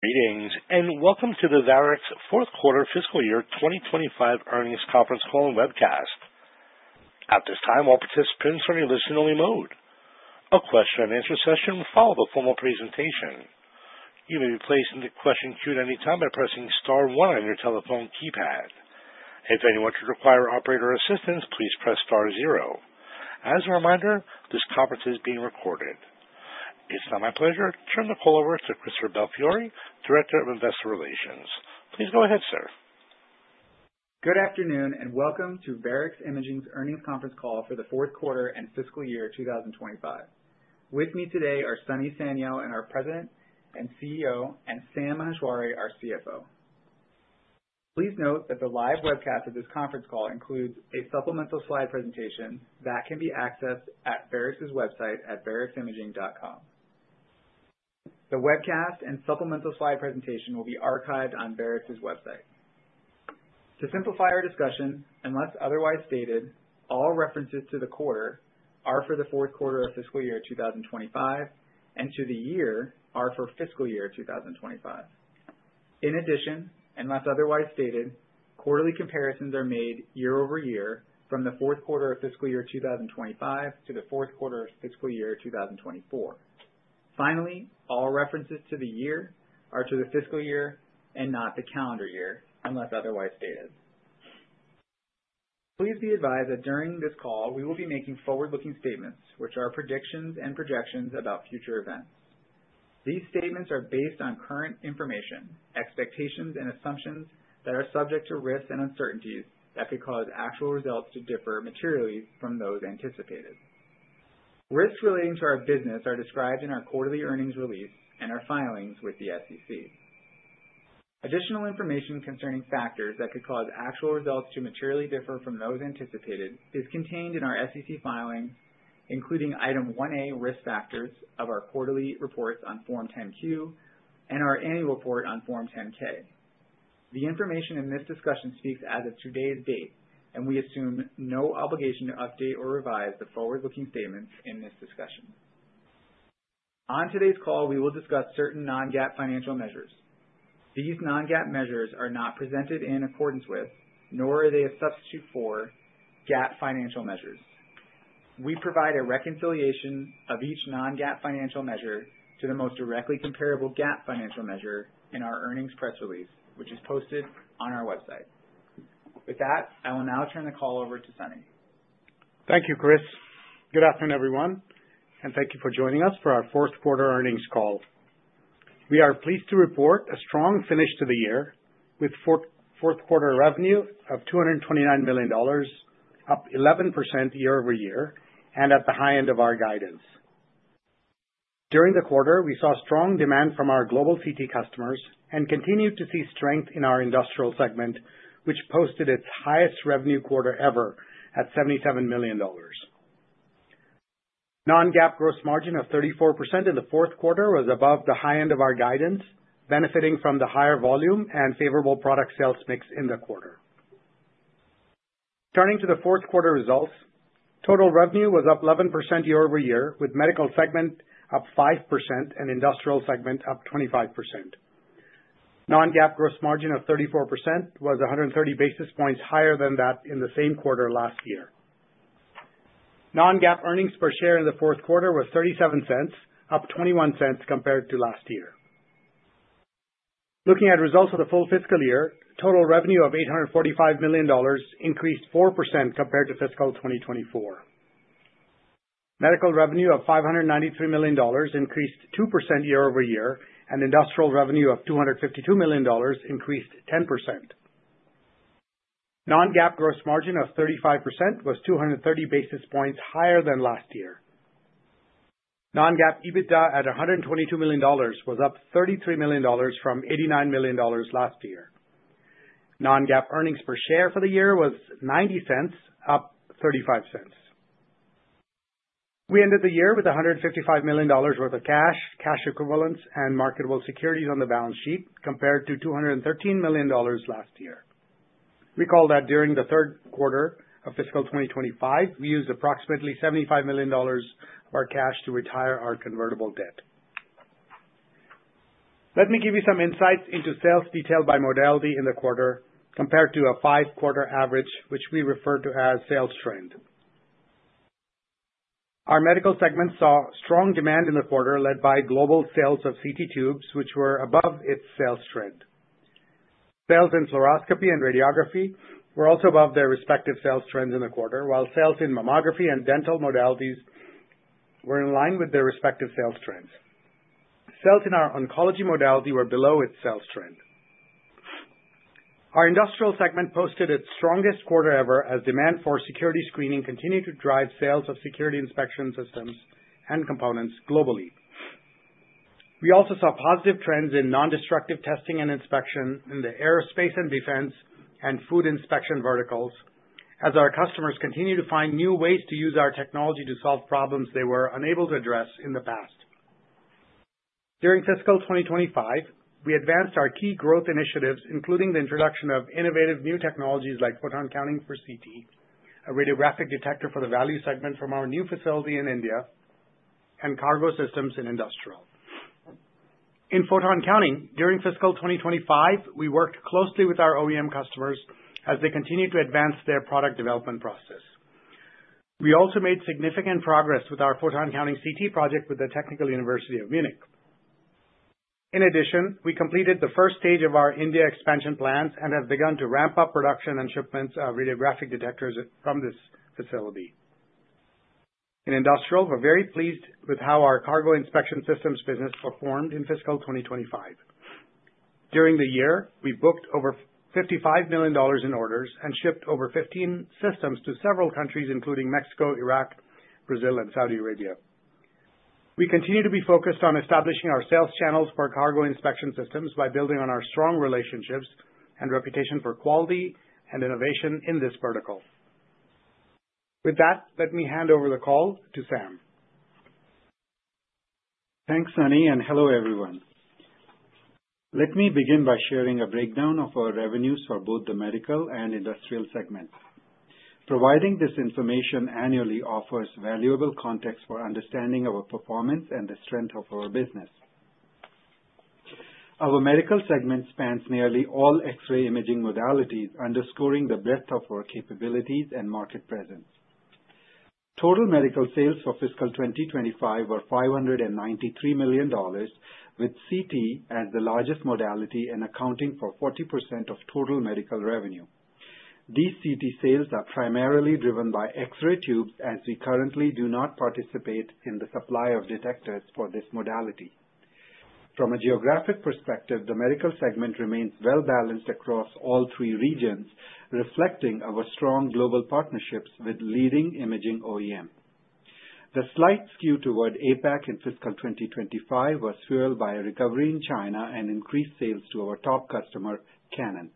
Greetings and welcome to the Varex Fourth Quarter Fiscal Year 2025 earnings conference call and webcast. At this time, all participants are in a listen-only mode. A question and answer session will follow the formal presentation. You may be placed into question queue at any time by pressing star one on your telephone keypad. If anyone should require operator assistance, please press star zero. As a reminder, this conference is being recorded. If it's not my pleasure, turn the call over to Chris Belfiore, Director of Investor Relations. Please go ahead, sir. Good afternoon and welcome to Varex Imaging's earnings conference call for the fourth quarter and fiscal year 2025. With me today are Sunny Sanyal, our President and CEO, and Sam Maheshwari, our CFO. Please note that the live webcast of this conference call includes a supplemental slide presentation that can be accessed at Varex's website at vareximaging.com. The webcast and supplemental slide presentation will be archived on Varex's website. To simplify our discussion, unless otherwise stated, all references to the quarter are for the fourth quarter of fiscal year 2025 and to the year are for fiscal year 2025. In addition, unless otherwise stated, quarterly comparisons are made year over year from the fourth quarter of fiscal year 2025 to the fourth quarter of fiscal year 2024. Finally, all references to the year are to the fiscal year and not the calendar year unless otherwise stated. Please be advised that during this call, we will be making forward-looking statements, which are predictions and projections about future events. These statements are based on current information, expectations, and assumptions that are subject to risks and uncertainties that could cause actual results to differ materially from those anticipated. Risks relating to our business are described in our quarterly earnings release and our filings with the SEC. Additional information concerning factors that could cause actual results to materially differ from those anticipated is contained in our SEC filings, including Item 1A risk factors of our quarterly reports on Form 10-Q and our annual report on Form 10-K. The information in this discussion speaks as of today's date, and we assume no obligation to update or revise the forward-looking statements in this discussion. On today's call, we will discuss certain non-GAAP financial measures. These non-GAAP measures are not presented in accordance with, nor are they a substitute for GAAP financial measures. We provide a reconciliation of each non-GAAP financial measure to the most directly comparable GAAP financial measure in our earnings press release, which is posted on our website. With that, I will now turn the call over to Sunny. Thank you, Chris. Good afternoon, everyone, and thank you for joining us for our fourth quarter earnings call. We are pleased to report a strong finish to the year with fourth quarter revenue of $229 million, up 11% year-over-year, and at the high end of our guidance. During the quarter, we saw strong demand from our global CT customers and continued to see strength in our Industrial segment, which posted its highest revenue quarter ever at $77 million. Non-GAAP gross margin of 34% in the fourth quarter was above the high end of our guidance, benefiting from the higher volume and favorable product sales mix in the quarter. Turning to the fourth quarter results, total revenue was up 11% year-over-year, with Medical segment up 5% and Industrial segment up 25%. Non-GAAP gross margin of 34% was 130 basis points higher than that in the same quarter last year. Non-GAAP earnings per share in the fourth quarter was $0.37, up $0.21 compared to last year. Looking at results of the full fiscal year, total revenue of $845 million increased 4% compared to fiscal 2024. Medical revenue of $593 million increased 2% year-over-year, and Industrial revenue of $252 million increased 10%. Non-GAAP gross margin of 35% was 230 basis points higher than last year. Non-GAAP EBITDA at $122 million was up $33 million from $89 million last year. Non-GAAP earnings per share for the year was $0.90, up $0.35. We ended the year with $155 million worth of cash, cash equivalents, and marketable securities on the balance sheet compared to $213 million last year. Recall that during the third quarter of fiscal 2025, we used approximately $75 million of our cash to retire our convertible debt. Let me give you some insights into sales detailed by modality in the quarter compared to a five-quarter average, which we refer to as sales trend. Our Medical segment saw strong demand in the quarter led by global sales of CT tubes, which were above its sales trend. Sales in fluoroscopy and radiography were also above their respective sales trends in the quarter, while sales in mammography and dental modalities were in line with their respective sales trends. Sales in our oncology modality were below its sales trend. Our Industrial segment posted its strongest quarter ever as demand for security screening continued to drive sales of security inspection systems and components globally. We also saw positive trends in non-destructive testing and inspection in the aerospace and defense and food inspection verticals as our customers continued to find new ways to use our technology to solve problems they were unable to address in the past. During fiscal 2025, we advanced our key growth initiatives, including the introduction of innovative new technologies like Photon Counting for CT, a radiographic detector for the value segment from our new facility in India, and cargo systems in Industrial. In Photon Counting, during fiscal 2025, we worked closely with our OEM customers as they continued to advance their product development process. We also made significant progress with our Photon Counting CT project with the Technical University of Munich. In addition, we completed the first stage of our India expansion plans and have begun to ramp up production and shipments of radiographic detectors from this facility. In Industrial, we're very pleased with how our cargo inspection systems business performed in fiscal 2025. During the year, we booked over $55 million in orders and shipped over 15 systems to several countries, including Mexico, Iraq, Brazil, and Saudi Arabia. We continue to be focused on establishing our sales channels for cargo inspection systems by building on our strong relationships and reputation for quality and innovation in this vertical. With that, let me hand over the call to Sam. Thanks, Sunny, and hello, everyone. Let me begin by sharing a breakdown of our revenues for both the Medical and Industrial segments. Providing this information annually offers valuable context for understanding our performance and the strength of our business. Our Medical segment spans nearly all X-ray imaging modalities, underscoring the breadth of our capabilities and market presence. Total Medical sales for fiscal 2025 were $593 million, with CT as the largest modality and accounting for 40% of total Medical revenue. These CT sales are primarily driven by X-ray tubes, as we currently do not participate in the supply of detectors for this modality. From a geographic perspective, the Medical segment remains well-balanced across all three regions, reflecting our strong global partnerships with leading imaging OEM. The slight skew toward APAC in fiscal 2025 was fueled by a recovery in China and increased sales to our top customer, Canon.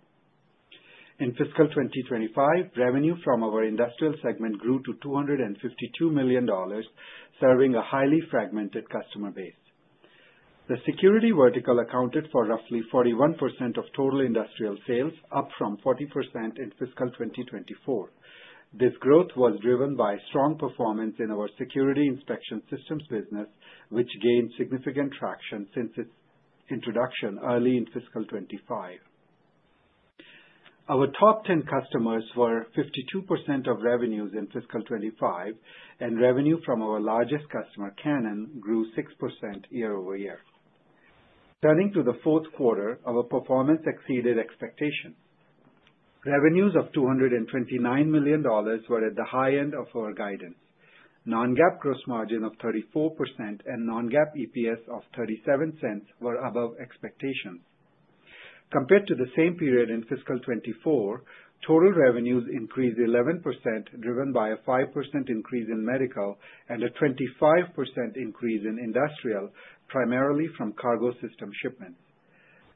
In fiscal 2025, revenue from our Industrial segment grew to $252 million, serving a highly fragmented customer base. The security vertical accounted for roughly 41% of total Industrial sales, up from 40% in fiscal 2024. This growth was driven by strong performance in our security inspection systems business, which gained significant traction since its introduction early in fiscal 2025. Our top 10 customers were 52% of revenues in fiscal 2025, and revenue from our largest customer, Canon, grew 6% year-over-year. Turning to the fourth quarter, our performance exceeded expectations. Revenues of $229 million were at the high end of our guidance. Non-GAAP gross margin of 34% and non-GAAP EPS of $0.37 were above expectations. Compared to the same period in fiscal 2024, total revenues increased 11%, driven by a 5% increase in Medical and a 25% increase in Industrial, primarily from Cargo System shipments.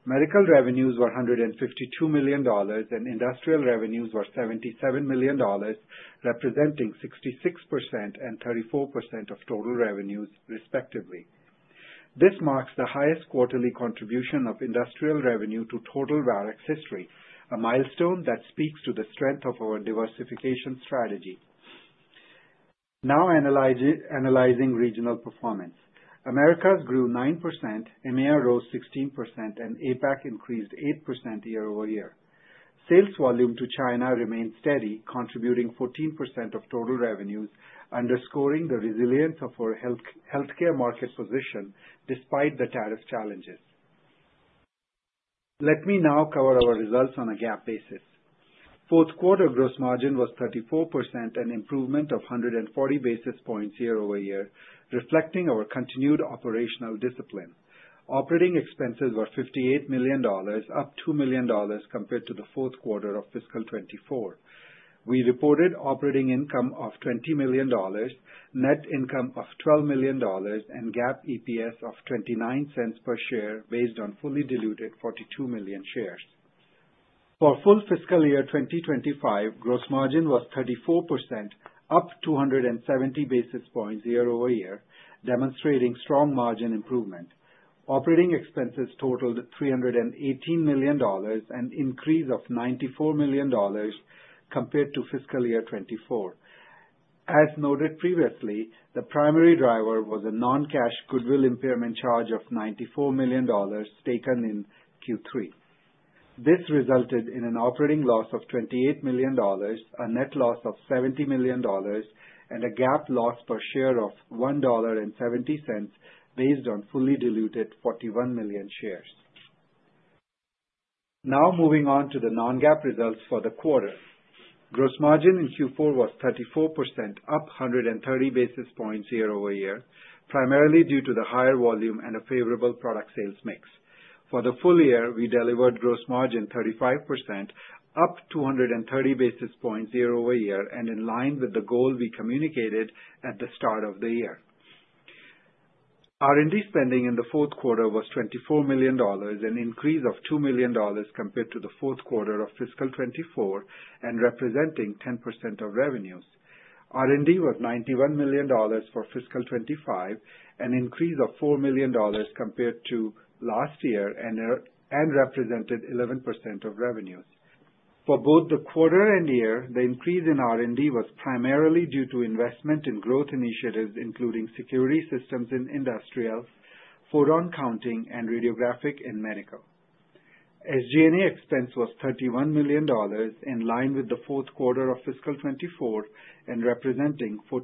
Medical revenues were $152 million, and Industrial revenues were $77 million, representing 66% and 34% of total revenues, respectively. This marks the highest quarterly contribution of Industrial revenue to total Varex history, a milestone that speaks to the strength of our diversification strategy. Now analyzing regional performance, Americas grew 9%, EMEA rose 16%, and APAC increased 8% year-over-year. Sales volume to China remained steady, contributing 14% of total revenues, underscoring the resilience of our healthcare market position despite the tariff challenges. Let me now cover our results on a GAAP basis. Fourth quarter gross margin was 34%, an improvement of 140 basis points year-over-year, reflecting our continued operational discipline. Operating expenses were $58 million, up $2 million compared to the fourth quarter of fiscal 2024. We reported operating income of $20 million, net income of $12 million, and GAAP EPS of $0.29 per share based on fully diluted 42 million shares. For full fiscal year 2025, gross margin was 34%, up 270 basis points year-over-year, demonstrating strong margin improvement. Operating expenses totaled $318 million, an increase of $94 million compared to fiscal year 2024. As noted previously, the primary driver was a non-cash goodwill impairment charge of $94 million taken in Q3. This resulted in an operating loss of $28 million, a net loss of $70 million, and a GAAP loss per share of $1.70 based on fully diluted 41 million shares. Now moving on to the non-GAAP results for the quarter. Gross margin in Q4 was 34%, up 130 basis points year-over-year, primarily due to the higher volume and a favorable product sales mix. For the full year, we delivered gross margin 35%, up 230 basis points year-over-year, and in line with the goal we communicated at the start of the year. R&D spending in the fourth quarter was $24 million, an increase of $2 million compared to the fourth quarter of fiscal 2024, and representing 10% of revenues. R&D was $91 million for fiscal 2025, an increase of $4 million compared to last year, and represented 11% of revenues. For both the quarter and year, the increase in R&D was primarily due to investment in growth initiatives, including security systems in Industrial, Photon Counting, and Radiographic in Medical. SG&A expense was $31 million, in line with the fourth quarter of fiscal 2024, and representing 14%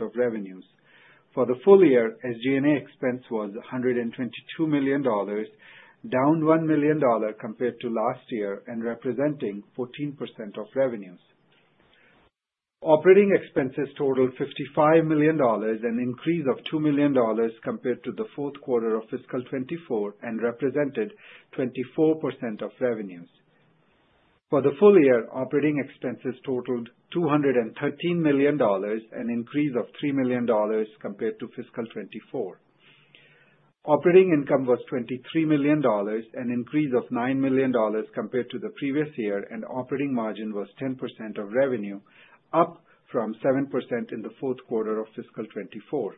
of revenues. For the full year, SG&A expense was $122 million, down $1 million compared to last year, and representing 14% of revenues. Operating expenses totaled $55 million, an increase of $2 million compared to the fourth quarter of fiscal 2024, and represented 24% of revenues. For the full year, operating expenses totaled $213 million, an increase of $3 million compared to fiscal 2024. Operating income was $23 million, an increase of $9 million compared to the previous year, and operating margin was 10% of revenue, up from 7% in the fourth quarter of fiscal 2024.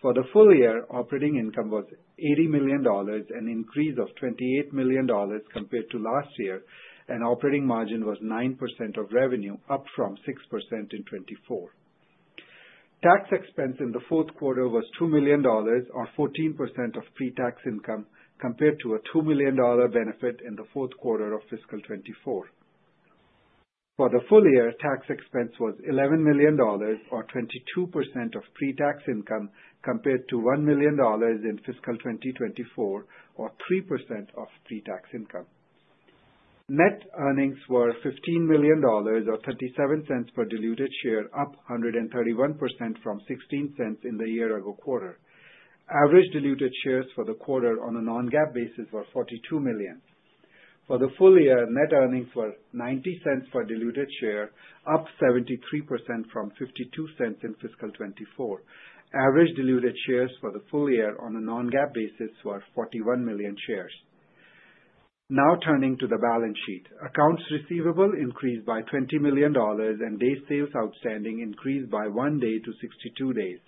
For the full year, operating income was $80 million, an increase of $28 million compared to last year, and operating margin was 9% of revenue, up from 6% in 2024. Tax expense in the fourth quarter was $2 million, or 14% of pre-tax income, compared to a $2 million benefit in the fourth quarter of fiscal 2024. For the full year, tax expense was $11 million, or 22% of pre-tax income, compared to $1 million in fiscal 2024, or 3% of pre-tax income. Net earnings were $15 million, or $0.37 per diluted share, up 131% from $0.16 in the year-ago quarter. Average diluted shares for the quarter on a non-GAAP basis were 42 million. For the full year, net earnings were $0.90 per diluted share, up 73% from $0.52 in fiscal 2024. Average diluted shares for the full year on a non-GAAP basis were 41 million shares. Now turning to the balance sheet, accounts receivable increased by $20 million, and day sales outstanding increased by one day to 62 days.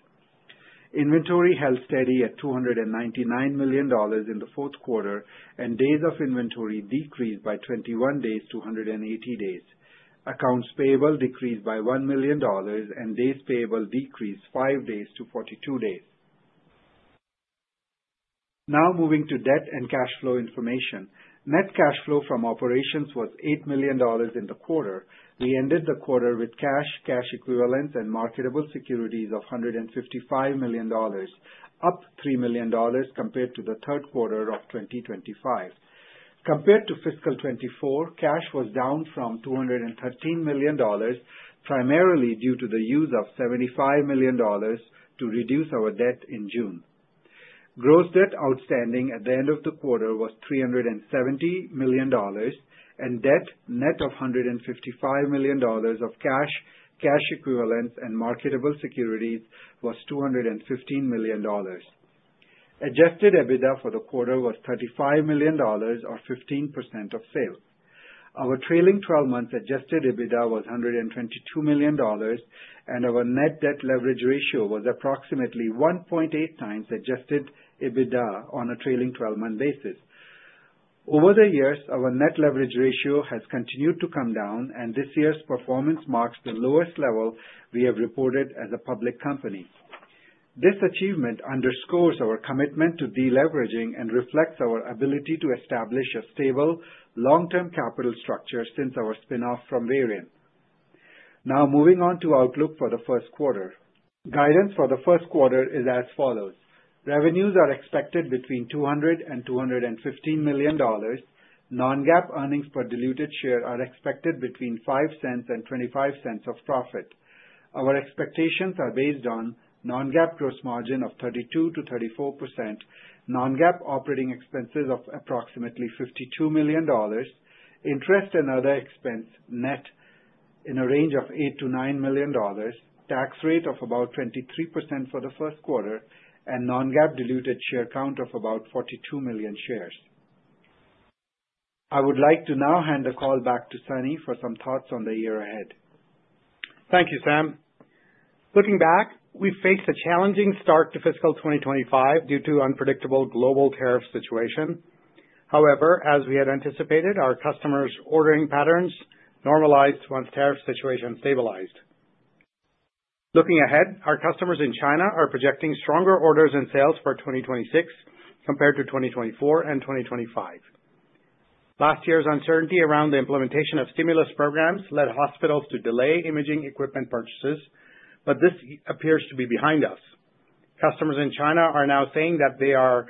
Inventory held steady at $299 million in the fourth quarter, and days of inventory decreased by 21 days-180 days. Accounts payable decreased by $1 million, and days payable decreased 5 days-42 days. Now moving to debt and cash flow information. Net cash flow from operations was $8 million in the quarter. We ended the quarter with cash, cash equivalents, and marketable securities of $155 million, up $3 million compared to the third quarter of 2025. Compared to fiscal 2024, cash was down from $213 million, primarily due to the use of $75 million to reduce our debt in June. Gross debt outstanding at the end of the quarter was $370 million, and debt net of $155 million of cash, cash equivalents, and marketable securities was $215 million. Adjusted EBITDA for the quarter was $35 million, or 15% of sales. Our trailing 12 months Adjusted EBITDA was $122 million, and our net debt leverage ratio was approximately 1.8x Adjusted EBITDA on a trailing 12-month basis. Over the years, our net leverage ratio has continued to come down, and this year's performance marks the lowest level we have reported as a public company. This achievement underscores our commitment to deleveraging and reflects our ability to establish a stable, long-term capital structure since our spinoff from Varex. Now moving on to outlook for the first quarter. Guidance for the first quarter is as follows. Revenues are expected between $200 million and $215 million. Non-GAAP earnings per diluted share are expected between $0.05 and $0.25 of profit. Our expectations are based on non-GAAP gross margin of 32%-34%, non-GAAP operating expenses of approximately $52 million, interest and other expense net in a range of $8 million-$9 million, tax rate of about 23% for the first quarter, and non-GAAP diluted share count of about 42 million shares. I would like to now hand the call back to Sunny for some thoughts on the year ahead. Thank you, Sam. Looking back, we faced a challenging start to fiscal 2025 due to unpredictable global tariff situation. However, as we had anticipated, our customers' ordering patterns normalized once tariff situation stabilized. Looking ahead, our customers in China are projecting stronger orders and sales for 2026 compared to 2024 and 2025. Last year's uncertainty around the implementation of stimulus programs led hospitals to delay imaging equipment purchases, but this appears to be behind us. Customers in China are now saying that they are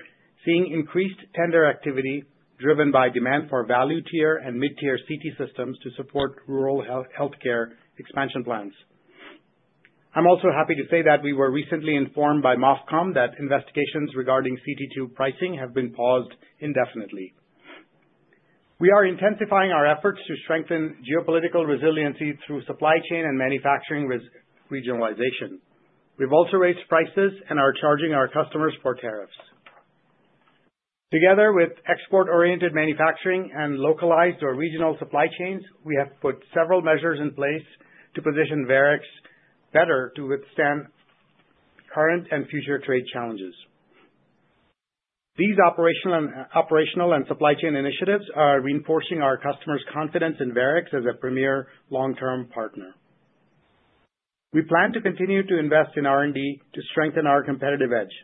seeing increased tender activity driven by demand for value tier and mid-tier CT systems to support rural healthcare expansion plans. I'm also happy to say that we were recently informed by MOFCOM that investigations regarding CT tube pricing have been paused indefinitely. We are intensifying our efforts to strengthen geopolitical resiliency through supply chain and manufacturing regionalization. We've also raised prices and are charging our customers for tariffs. Together with export-oriented manufacturing and localized or regional supply chains, we have put several measures in place to position Varex better to withstand current and future trade challenges. These operational and supply chain initiatives are reinforcing our customers' confidence in Varex as a premier long-term partner. We plan to continue to invest in R&D to strengthen our competitive edge.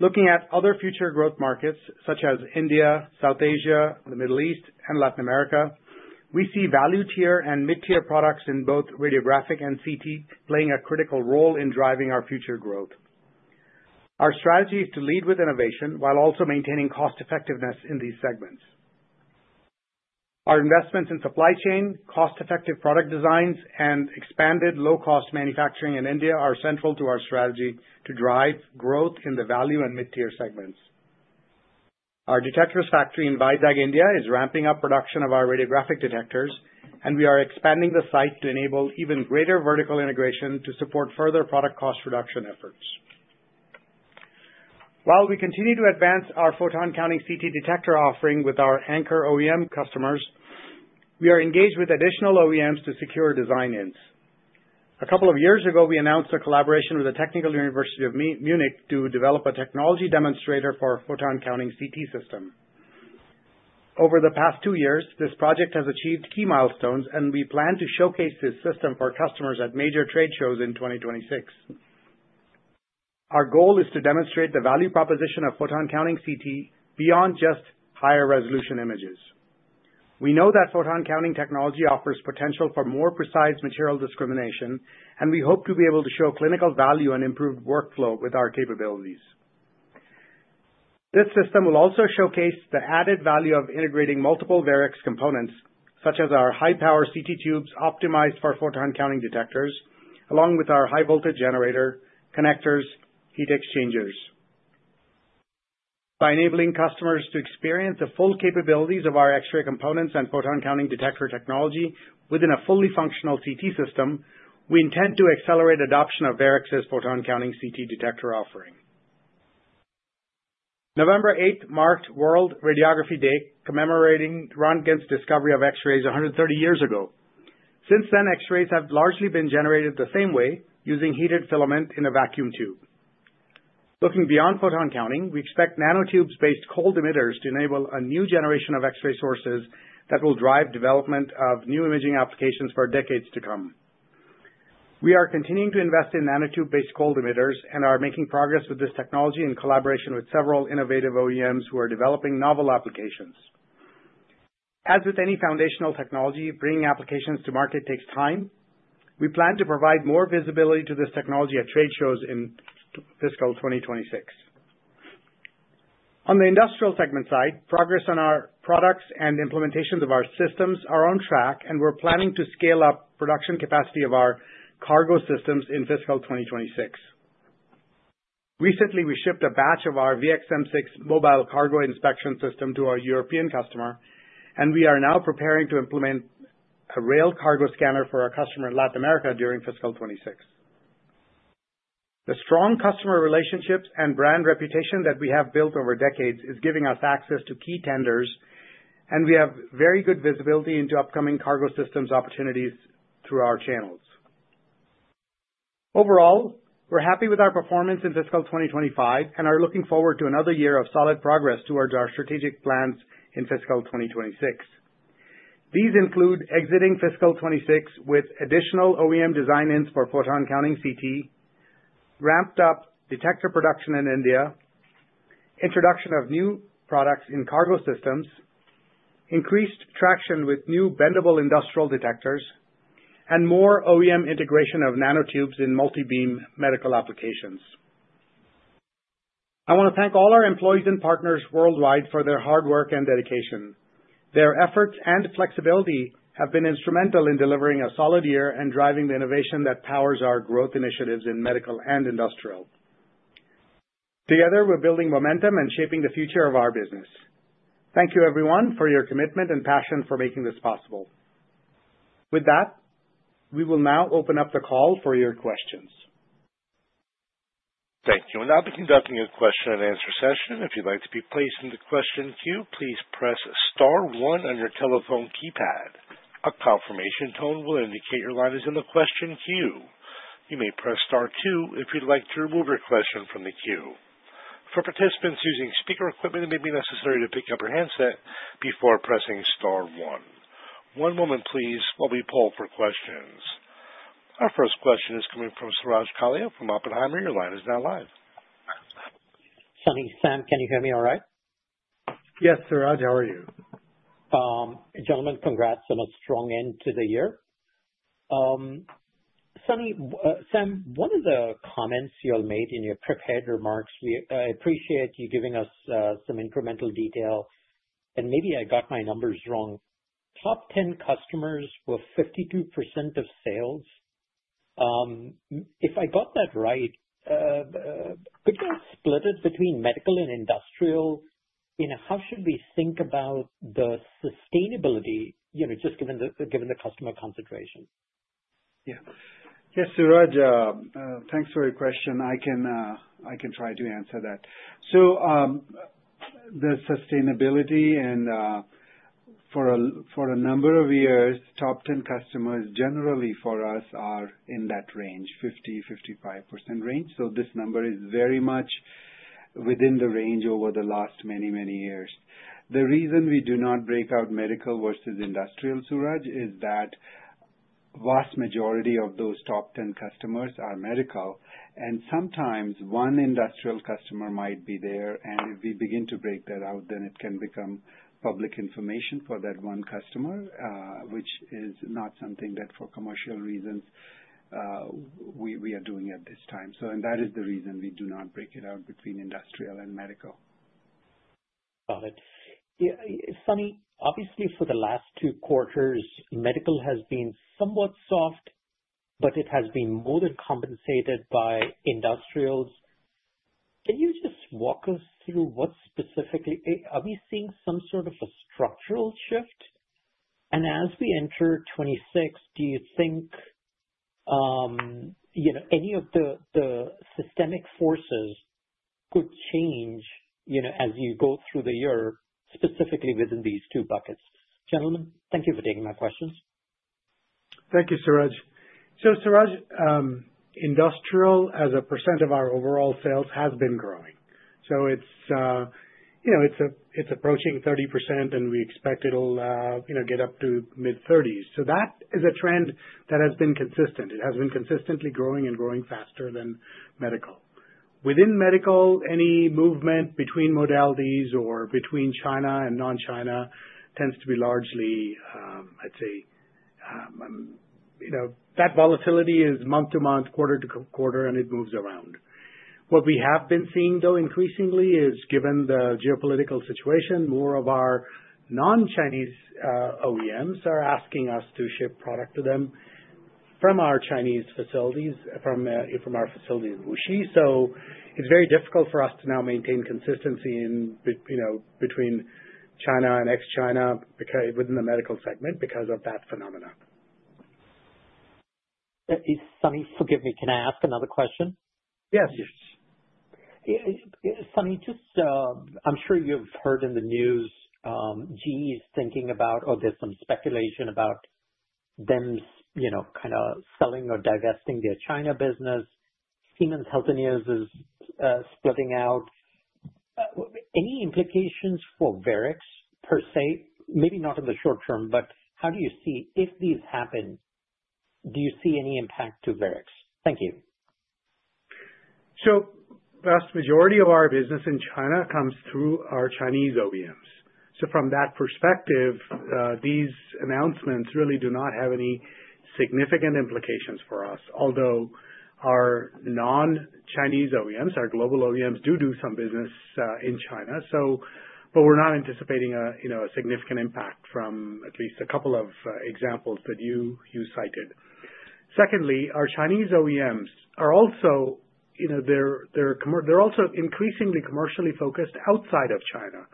Looking at other future growth markets such as India, South Asia, the Middle East, and Latin America, we see value tier and mid-tier products in both radiographic and CT playing a critical role in driving our future growth. Our strategy is to lead with innovation while also maintaining cost-effectiveness in these segments. Our investments in supply chain, cost-effective product designs, and expanded low-cost manufacturing in India are central to our strategy to drive growth in the value and mid-tier segments. Our detectors factory in Vizag, India, is ramping up production of our radiographic detectors, and we are expanding the site to enable even greater vertical integration to support further product cost reduction efforts. While we continue to advance our Photon Counting CT detector offering with our Anchor OEM customers, we are engaged with additional OEMs to secure design ends. A couple of years ago, we announced a collaboration with the Technical University of Munich to develop a technology demonstrator for a Photon Counting CT system. Over the past two years, this project has achieved key milestones, and we plan to showcase this system for customers at major trade shows in 2026. Our goal is to demonstrate the value proposition of Photon Counting CT beyond just higher resolution images. We know that Photon Counting technology offers potential for more precise material discrimination, and we hope to be able to show clinical value and improved workflow with our capabilities. This system will also showcase the added value of integrating multiple Varex components, such as our high-power CT tubes optimized for Photon Counting detectors, along with our high-voltage generator, connectors, and heat exchangers. By enabling customers to experience the full capabilities of our X-ray components and Photon Counting detector technology within a fully functional CT system, we intend to accelerate adoption of Varex's Photon Counting CT detector offering. November 8 marked World Radiography Day, commemorating the groundbreaking discovery of X-rays 130 years ago. Since then, X-rays have largely been generated the same way, using a heated filament in a vacuum tube. Looking beyond Photon Counting, we expect nanotube-based cold emitters to enable a new generation of X-ray sources that will drive development of new imaging applications for decades to come. We are continuing to invest in nanotube-based cold emitters and are making progress with this technology in collaboration with several innovative OEMs who are developing novel applications. As with any foundational technology, bringing applications to market takes time. We plan to provide more visibility to this technology at trade shows in fiscal 2026. On the Industrial segment side, progress on our products and implementations of our systems are on track, and we're planning to scale up production capacity of our cargo systems in fiscal 2026. Recently, we shipped a batch of our VXM6 mobile cargo inspection system to our European customer, and we are now preparing to implement a rail cargo scanner for our customer in Latin America during fiscal 2026. The strong customer relationships and brand reputation that we have built over decades is giving us access to key tenders, and we have very good visibility into upcoming cargo systems opportunities through our channels. Overall, we're happy with our performance in fiscal 2025 and are looking forward to another year of solid progress towards our strategic plans in fiscal 2026. These include exiting fiscal 2026 with additional OEM design ends for Photon Counting CT, ramped-up detector production in India, introduction of new products in cargo systems, increased traction with new bendable Industrial detectors, and more OEM integration of nanotubes in multi-beam Medical applications. I want to thank all our employees and partners worldwide for their hard work and dedication. Their efforts and flexibility have been instrumental in delivering a solid year and driving the innovation that powers our growth initiatives in Medical and Industrial. Together, we're building momentum and shaping the future of our business. Thank you, everyone, for your commitment and passion for making this possible. With that, we will now open up the call for your questions. Thank you. I'll be conducting a question-and-answer session. If you'd like to be placed in the question queue, please press star one on your telephone keypad. A confirmation tone will indicate your line is in the question queue. You may press star two if you'd like to remove your question from the queue. For participants using speaker equipment, it may be necessary to pick up your handset before pressing star one. One moment, please, while we poll for questions. Our first question is coming from Suraj Kalia from Oppenheimer. Your line is now live. Sunny, Sam, can you hear me all right? Yes, Suraj, how are you? Gentlemen, congrats on a strong end to the year. Sunny, Sam, one of the comments you all made in your prepared remarks, I appreciate you giving us some incremental detail, and maybe I got my numbers wrong. Top 10 customers were 52% of sales. If I got that right, could you split it between Medical and Industrial? How should we think about the sustainability, just given the customer concentration? Yeah. Yes, Suraj, thanks for your question. I can try to answer that. The sustainability, and for a number of years, top 10 customers generally for us are in that range, 50%-55% range. This number is very much within the range over the last many, many years. The reason we do not break out Medical versus Industrial, Suraj, is that the vast majority of those top 10 customers are Medical, and sometimes one Industrial customer might be there, and if we begin to break that out, then it can become public information for that one customer, which is not something that for commercial reasons we are doing at this time. That is the reason we do not break it out between Industrial and Medical. Got it. Sunny, obviously for the last two quarters, Medical has been somewhat soft, but it has been more than compensated by Industrials. Can you just walk us through what specifically are we seeing some sort of a structural shift? As we enter 2026, do you think any of the systemic forces could change as you go through the year, specifically within these two buckets? Gentlemen, thank you for taking my questions. Thank you, Suraj. Suraj, Industrial as a percent of our overall sales has been growing. It is approaching 30%, and we expect it will get up to mid-30s. That is a trend that has been consistent. It has been consistently growing and growing faster than Medical. Within Medical, any movement between modalities or between China and non-China tends to be largely, I would say that volatility is month to month, quarter to quarter, and it moves around. What we have been seeing, though, increasingly is, given the geopolitical situation, more of our non-Chinese OEMs are asking us to ship product to them from our Chinese facilities, from our facilities in Wuxi. It is very difficult for us to now maintain consistency between China and ex-China within the Medical segment because of that phenomenon. Sunny, forgive me, can I ask another question? Yes. Sunny, just I'm sure you've heard in the news GE is thinking about, or there's some speculation about them kind of selling or divesting their China business. Siemens Healthineers is splitting out. Any implications for Varex per se? Maybe not in the short term, but how do you see if these happen, do you see any impact to Varex? Thank you. The vast majority of our business in China comes through our Chinese OEMs. From that perspective, these announcements really do not have any significant implications for us, although our non-Chinese OEMs, our global OEMs, do do some business in China. We are not anticipating a significant impact from at least a couple of examples that you cited. Secondly, our Chinese OEMs are also increasingly commercially focused outside of China.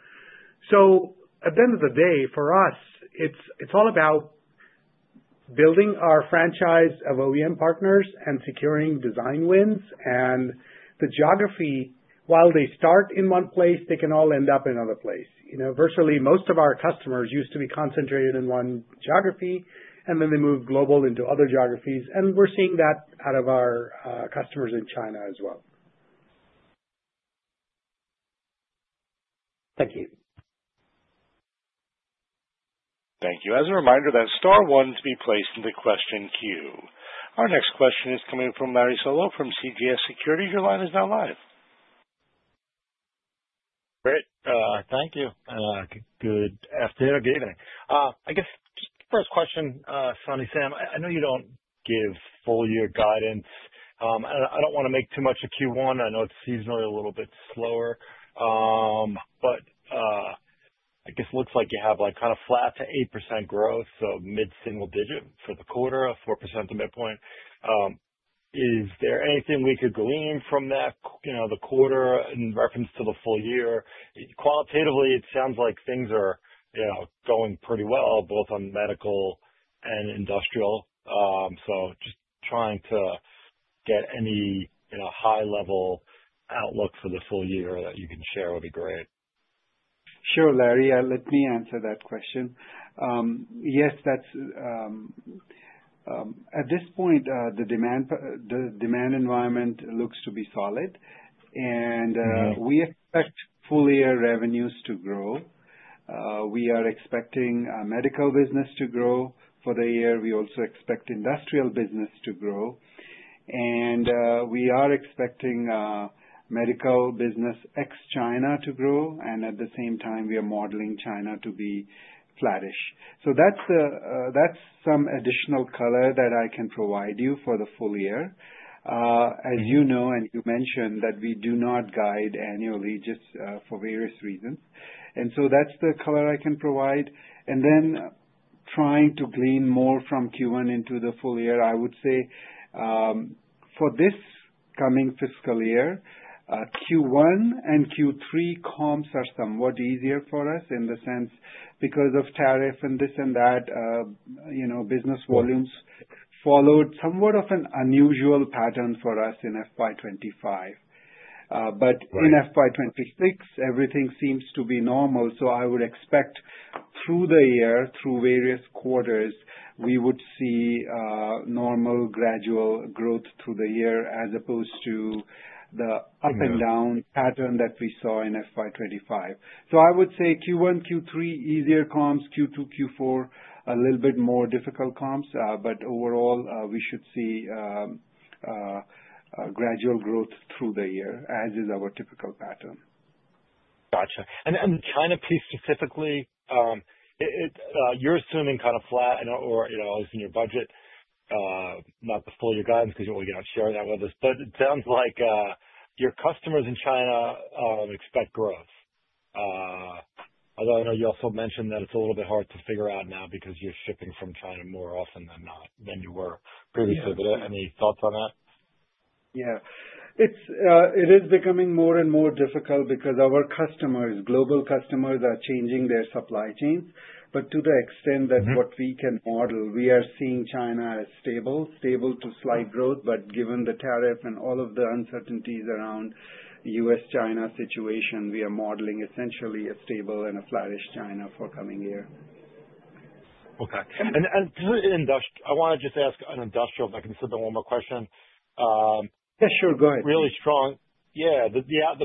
At the end of the day, for us, it is all about building our franchise of OEM partners and securing design wins. The geography, while they start in one place, can all end up in another place. Virtually most of our customers used to be concentrated in one geography, and then they moved global into other geographies. We are seeing that out of our customers in China as well. Thank you. Thank you. As a reminder, that is star one to be placed in the question queue. Our next question is coming from Larry Solow from CGS Securities. Your line is now live. Great. Thank you. Good afternoon or good evening. I guess just the first question, Sunny, Sam, I know you don't give full-year guidance. I don't want to make too much of Q1. I know it's seasonally a little bit slower. I guess it looks like you have kind of flat to 8% growth, so mid-single digit for the quarter, 4% to midpoint. Is there anything we could glean from that, the quarter in reference to the full year? Qualitatively, it sounds like things are going pretty well, both on Medical and Industrial. Just trying to get any high-level outlook for the full year that you can share would be great. Sure, Larry. Let me answer that question. Yes, at this point, the demand environment looks to be solid, and we expect full-year revenues to grow. We are expecting Medical business to grow for the year. We also expect Industrial business to grow. We are expecting Medical business ex-China to grow. At the same time, we are modeling China to be flattish. That is some additional color that I can provide you for the full year. As you know, and you mentioned that we do not guide annually just for various reasons. That is the color I can provide. Trying to glean more from Q1 into the full year, I would say for this coming fiscal year, Q1 and Q3 comps are somewhat easier for us in the sense because of tariff and this and that, business volumes followed somewhat of an unusual pattern for us in FY 2025. In FY 2026, everything seems to be normal. I would expect through the year, through various quarters, we would see normal gradual growth through the year as opposed to the up and down pattern that we saw in FY 2025. I would say Q1, Q3, easier comps, Q2, Q4, a little bit more difficult comps. Overall, we should see gradual growth through the year, as is our typical pattern. Gotcha. The China piece specifically, you're assuming kind of flat or at least in your budget, not to fool your guidance because you're only going to share that with us. It sounds like your customers in China expect growth. Although I know you also mentioned that it's a little bit hard to figure out now because you're shipping from China more often than you were previously. Any thoughts on that? Yeah. It is becoming more and more difficult because our customers, global customers, are changing their supply chains. To the extent that what we can model, we are seeing China as stable, stable to slight growth. Given the tariff and all of the uncertainties around the U.S.-China situation, we are modeling essentially a stable and a flattish China for coming year. Okay. I want to just ask on Industrial if I can submit one more question. Yeah, sure. Go ahead. Really strong. Yeah. The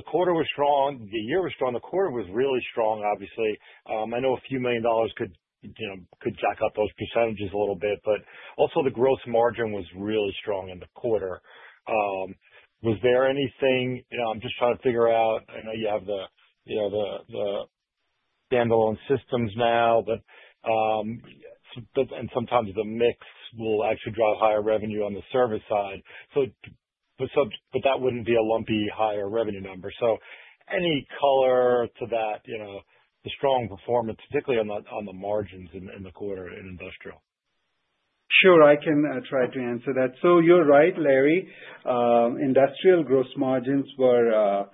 quarter was strong. The year was strong. The quarter was really strong, obviously. I know a few million dollars could jack up those percentages a little bit. Also, the gross margin was really strong in the quarter. Was there anything, I am just trying to figure out? I know you have the standalone systems now, and sometimes the mix will actually drive higher revenue on the service side. That would not be a lumpy higher revenue number. Any color to that, the strong performance, particularly on the margins in the quarter in Industrial? Sure. I can try to answer that. You're right, Larry. Industrial gross margins were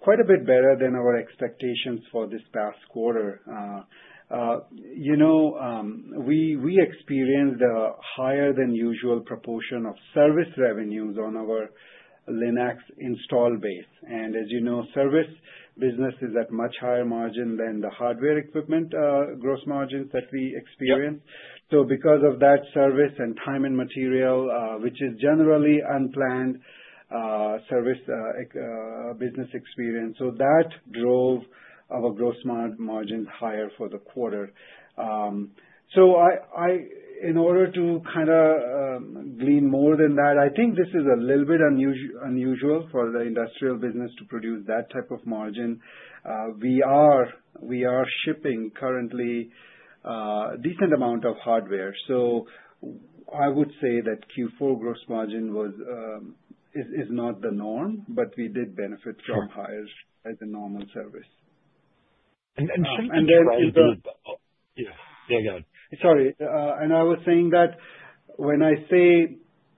quite a bit better than our expectations for this past quarter. We experienced a higher-than-usual proportion of service revenues on our Linux install base. As you know, service business is at much higher margin than the hardware equipment gross margins that we experience. Because of that service and time and material, which is generally unplanned service business experience, that drove our gross margins higher for the quarter. In order to kind of glean more than that, I think this is a little bit unusual for the Industrial business to produce that type of margin. We are shipping currently a decent amount of hardware. I would say that Q4 gross margin is not the norm, but we did benefit from higher than normal service. Sunny, you're right. Yeah. Yeah, go ahead. Yeah. Yeah, go ahead. Sorry. I was saying that when I say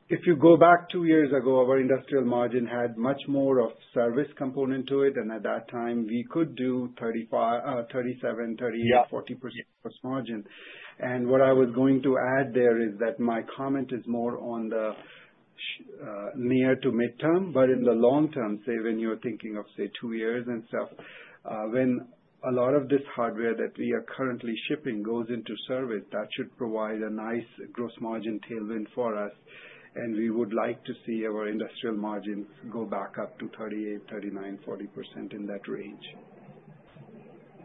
if you go back two years ago, our Industrial margin had much more of a service component to it. At that time, we could do 37%, 38%, 40% gross margin. What I was going to add there is that my comment is more on the near to midterm. In the long term, say, when you are thinking of, say, two years and stuff, when a lot of this hardware that we are currently shipping goes into service, that should provide a nice gross margin tailwind for us. We would like to see our Industrial margins go back up to 38%-39%-40% in that range.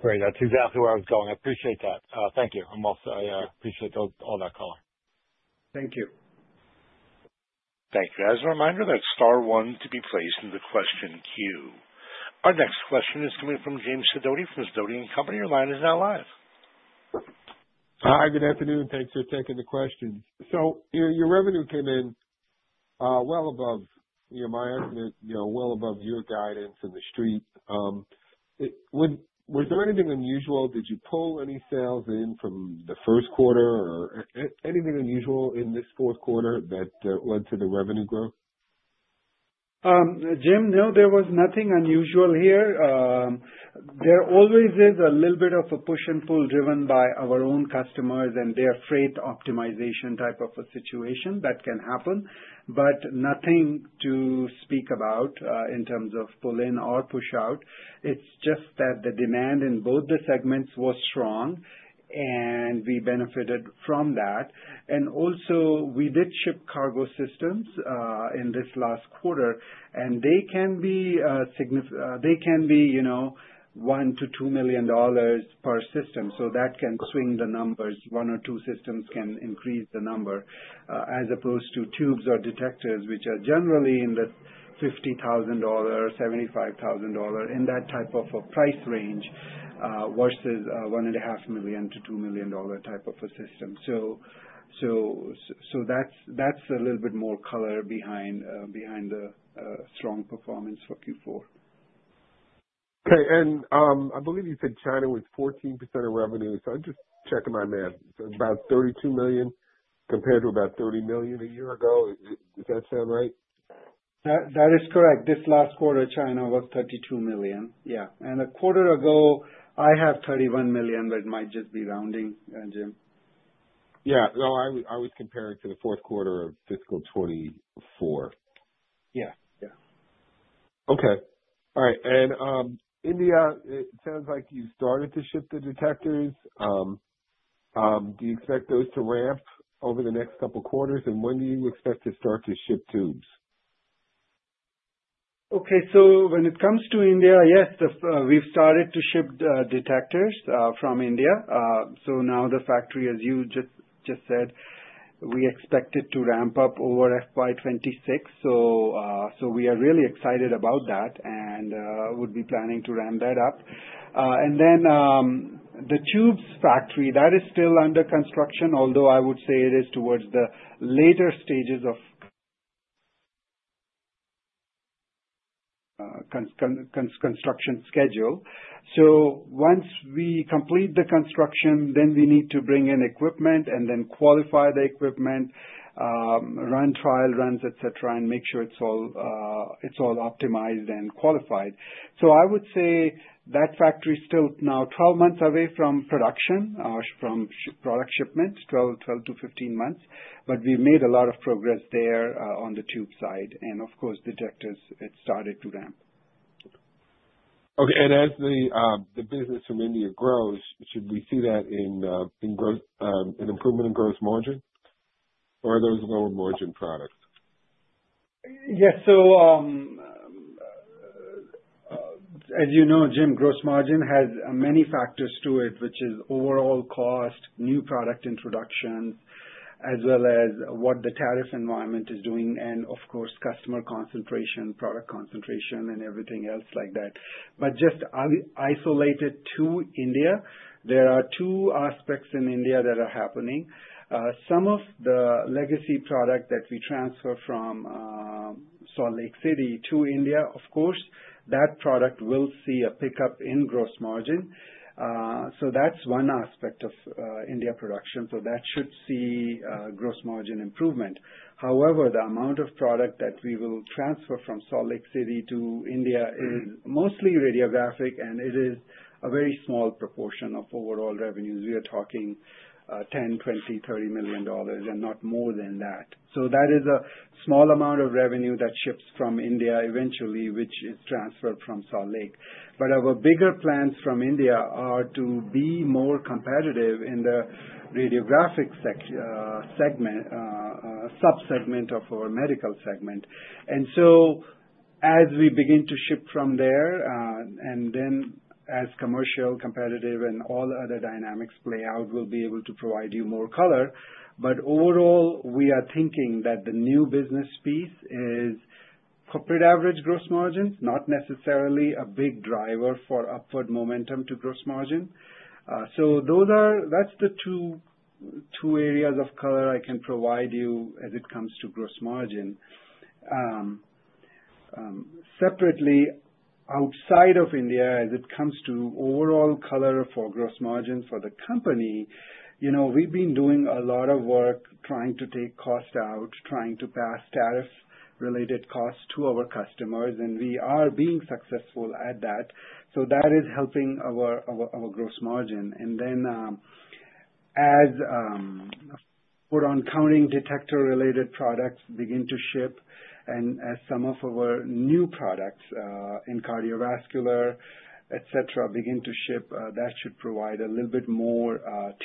Great. That's exactly where I was going. I appreciate that. Thank you. I appreciate all that color. Thank you. Thank you. As a reminder, that's star one to be placed in the question queue. Our next question is coming from Jim Sidoti from Sidoti & Company. Your line is now live. Hi. Good afternoon. Thanks for taking the question. Your revenue came in well above my estimate, well above your guidance and the street. Was there anything unusual? Did you pull any sales in from the first quarter or anything unusual in this fourth quarter that led to the revenue growth? Jim, no, there was nothing unusual here. There always is a little bit of a push and pull driven by our own customers, and they are afraid of optimization type of a situation that can happen. Nothing to speak about in terms of pull in or push out. It is just that the demand in both the segments was strong, and we benefited from that. Also, we did ship cargo systems in this last quarter, and they can be $1 million-$2 million/system. That can swing the numbers. One or two systems can increase the number as opposed to tubes or detectors, which are generally in the $50,000-$75,000 in that type of a price range versus $1.5 million-$2 million type of a system. That is a little bit more color behind the strong performance for Q4. Okay. I believe you said China was 14% of revenue. I am just checking my math. About $32 million compared to about $30 million a year ago. Does that sound right? That is correct. This last quarter, China was $32 million. Yeah. And a quarter ago, I have $31 million, but it might just be rounding, Jim. Yeah. No, I was comparing to the fourth quarter of fiscal 2024. Yeah. Yeah. Okay. All right. India, it sounds like you started to ship the detectors. Do you expect those to ramp over the next couple of quarters? When do you expect to start to ship tubes? Okay. So when it comes to India, yes, we've started to ship detectors from India. Now the factory, as you just said, we expect it to ramp up over FY 2026. We are really excited about that and would be planning to ramp that up. The tubes factory is still under construction, although I would say it is towards the later stages of the construction schedule. Once we complete the construction, we need to bring in equipment and then qualify the equipment, run trial runs, etc., and make sure it's all optimized and qualified. I would say that factory is still now 12 months away from production, from product shipment, 12 months-15 months. We've made a lot of progress there on the tube side. Of course, detectors, it started to ramp. Okay. As the business from India grows, should we see that in improvement in gross margin or are those lower margin products? Yes. As you know, Jim, gross margin has many factors to it, which is overall cost, new product introductions, as well as what the tariff environment is doing, and of course, customer concentration, product concentration, and everything else like that. Just isolated to India, there are two aspects in India that are happening. Some of the legacy product that we transfer from Salt Lake City to India, of course, that product will see a pickup in gross margin. That is one aspect of India production. That should see gross margin improvement. However, the amount of product that we will transfer from Salt Lake City to India is mostly radiographic, and it is a very small proportion of overall revenues. We are talking $10 million-$20 million-$30 million and not more than that. That is a small amount of revenue that ships from India eventually, which is transferred from Salt Lake. Our bigger plans from India are to be more competitive in the radiographic segment, subsegment of our Medical segment. As we begin to ship from there, and then as commercial, competitive, and all other dynamics play out, we'll be able to provide you more color. Overall, we are thinking that the new business piece is corporate average gross margins, not necessarily a big driver for upward momentum to gross margin. That is the two areas of color I can provide you as it comes to gross margin. Separately, outside of India, as it comes to overall color for gross margin for the company, we've been doing a lot of work trying to take cost out, trying to pass tariff-related costs to our customers. We are being successful at that. That is helping our gross margin. As our Photon Counting detector-related products begin to ship, and as some of our new products in cardiovascular, etc., begin to ship, that should provide a little bit more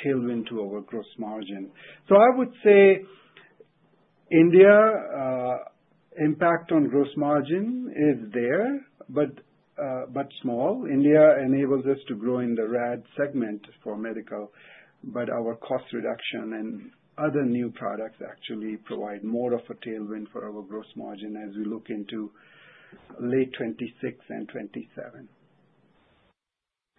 tailwind to our gross margin. I would say India's impact on gross margin is there, but small. India enables us to grow in the RAD segment for Medical, but our cost reduction and other new products actually provide more of a tailwind for our gross margin as we look into late 2026 and 2027.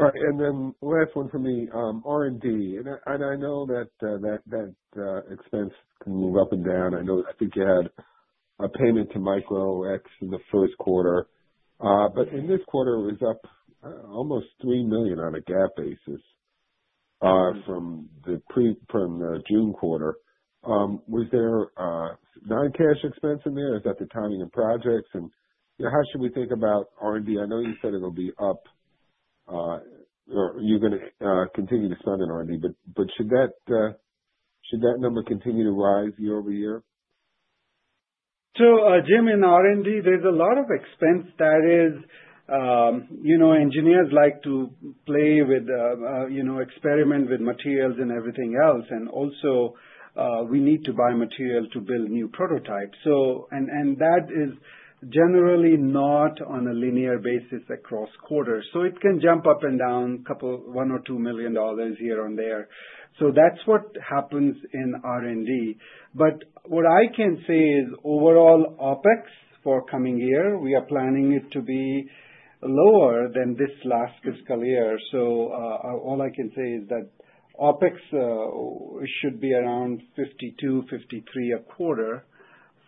All right. Last one for me, R&D. I know that expense can move up and down. I think you had a payment to Micro-X in the first quarter. In this quarter, it was up almost $3 million on a GAAP basis from the June quarter. Was there non-cash expense in there? Is that the timing of projects? How should we think about R&D? I know you said it'll be up, or you're going to continue to spend on R&D, but should that number continue to rise year-over-year? Jim, in R&D, there's a lot of expense that is engineers like to play with, experiment with materials and everything else. Also, we need to buy material to build new prototypes. That is generally not on a linear basis across quarters. It can jump up and down $1 million or $2 million here and there. That's what happens in R&D. What I can say is overall OpEx for coming year, we are planning it to be lower than this last fiscal year. All I can say is that OpEx should be around $52 million-$53 million a quarter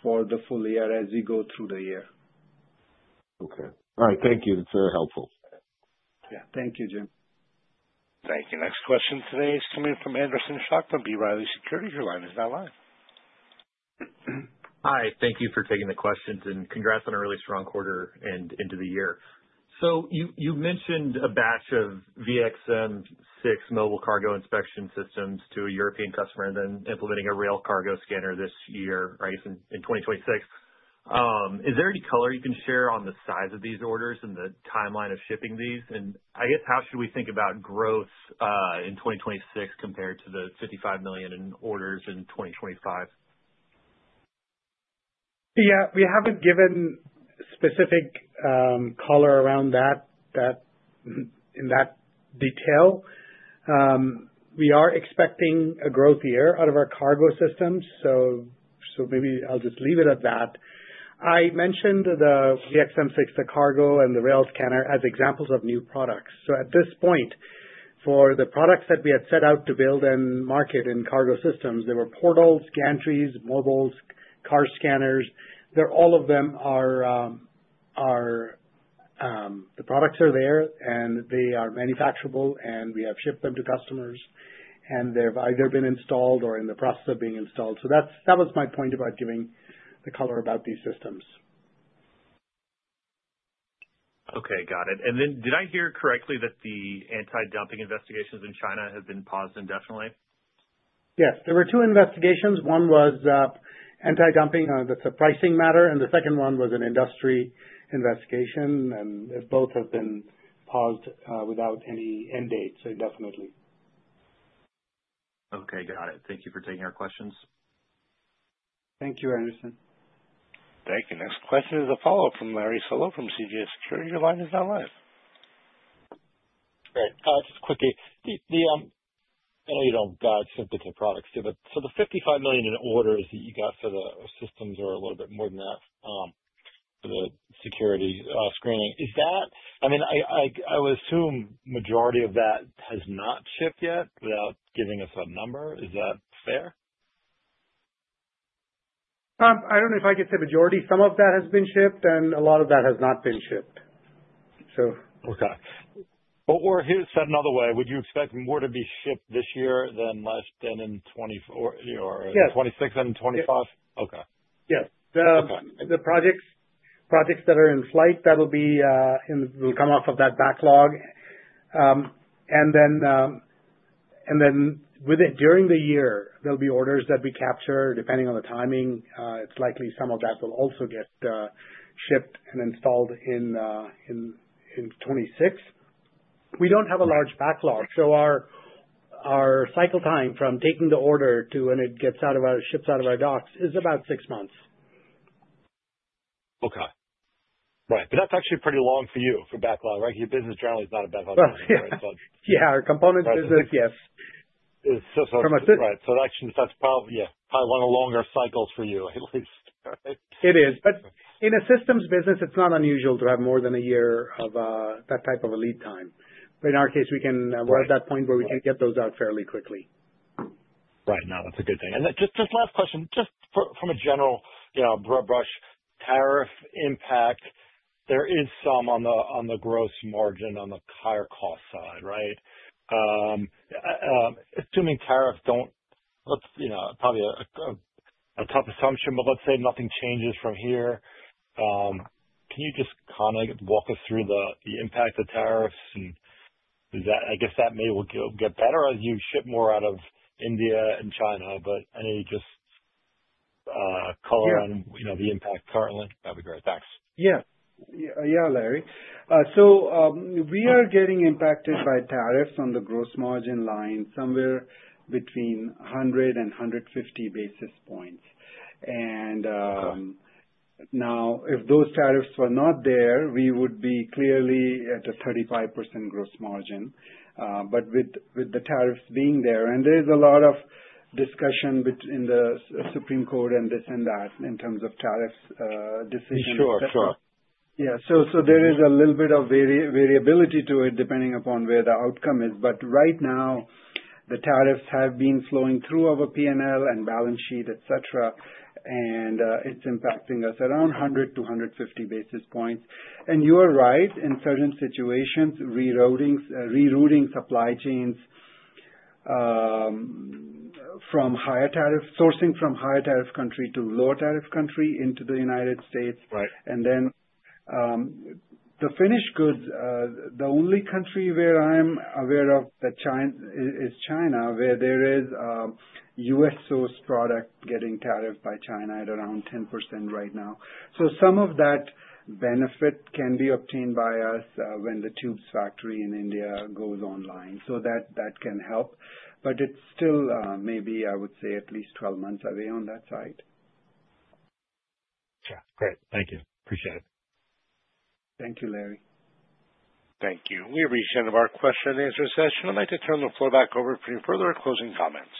for the full year as we go through the year. Okay. All right. Thank you. That's very helpful. Yeah. Thank you, Jim. Thank you. Next question today is coming from Anderson Schock from B. Riley Securities. Your line is now live. Hi. Thank you for taking the questions. And congrats on a really strong quarter and into the year. You mentioned a batch of VXM6 mobile cargo inspection systems to a European customer and then implementing a rail cargo scanner this year, I guess, in 2026. Is there any color you can share on the size of these orders and the timeline of shipping these? I guess, how should we think about growth in 2026 compared to the $55 million in orders in 2025? Yeah. We haven't given specific color around that in that detail. We are expecting a growth year out of our cargo systems. Maybe I'll just leave it at that. I mentioned the VXM6, the cargo, and the rail scanner as examples of new products. At this point, for the products that we had set out to build and market in cargo systems, there were portals, gantries, mobiles, car scanners. All of them, the products are there, and they are manufacturable, and we have shipped them to customers. They've either been installed or are in the process of being installed. That was my point about giving the color about these systems. Okay. Got it. Did I hear correctly that the anti-dumping investigations in China have been paused indefinitely? Yes. There were two investigations. One was anti-dumping, that's a pricing matter. The second one was an industry investigation. Both have been paused without any end dates, indefinitely. Okay. Got it. Thank you for taking our questions. Thank you, Anderson. Thank you. Next question is a follow-up from Larry Solow from CGS Securities. Your line is now live. Great. Just quickly, I know you do not sift into products too, but the $55 million in orders that you got for the systems are a little bit more than that for the security screening. I mean, I would assume the majority of that has not shipped yet without giving us a number. Is that fair? I don't know if I could say majority. Some of that has been shipped, and a lot of that has not been shipped, so. Okay. Or said another way, would you expect more to be shipped this year than in 2026 and 2025? Yes. Okay. Yes. The projects that are in flight, that will come off of that backlog. During the year, there will be orders that we capture. Depending on the timing, it is likely some of that will also get shipped and installed in 2026. We do not have a large backlog. Our cycle time from taking the order to when it ships out of our docks is about six months. Okay. Right. But that's actually pretty long for you for backlog, right? Because your business generally is not a backlog business, right? Yeah. Our component business, yes. That's probably, yeah, probably one of the longer cycles for you at least, right? It is. In a systems business, it's not unusual to have more than a year of that type of a lead time. In our case, we're at that point where we can get those out fairly quickly. Right. No, that's a good thing. Just last question, just from a general brush, tariff impact, there is some on the gross margin on the higher cost side, right? Assuming tariffs don't—probably a tough assumption, but let's say nothing changes from here. Can you just kind of walk us through the impact of tariffs? I guess that may get better as you ship more out of India and China. Any just color on the impact currently? That'd be great. Thanks. Yeah. Yeah, Larry. So we are getting impacted by tariffs on the gross margin line somewhere between 100 and 150 basis points. If those tariffs were not there, we would be clearly at a 35% gross margin. With the tariffs being there, and there is a lot of discussion in the Supreme Court and this and that in terms of tariff decisions, yeah. There is a little bit of variability to it depending upon where the outcome is. Right now, the tariffs have been flowing through our P&L and balance sheet, etc., and it is impacting us around 100 basis points-150 basis points. You are right. In certain situations, rerouting supply chains from higher tariff sourcing from higher tariff country to lower tariff country into the United States. The finished goods, the only country where I'm aware of is China, where there is a US-sourced product getting tariffed by China at around 10% right now. Some of that benefit can be obtained by us when the tubes factory in India goes online. That can help. It's still maybe, I would say, at least 12 months away on that side. Okay. Great. Thank you. Appreciate it. Thank you, Larry. Thank you. We've reached the end of our question-and-answer session. I'd like to turn the floor back over for any further closing comments.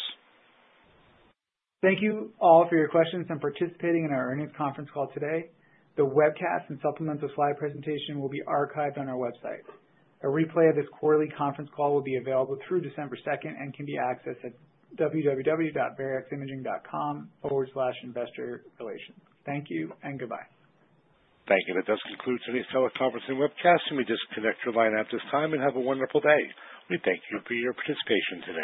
Thank you all for your questions and participating in our earnings conference call today. The webcast and supplemental slide presentation will be archived on our website. A replay of this quarterly conference call will be available through December 2nd and can be accessed at www.vareximaging.com/investorrelations. Thank you and goodbye. Thank you. That does conclude today's teleconference and webcast. We will disconnect your line at this time. Have a wonderful day. We thank you for your participation today.